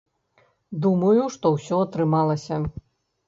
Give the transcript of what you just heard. Думаю, што ўсё атрымалася.